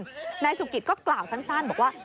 นายสุกิตก็กล่าวสั้นบอกว่า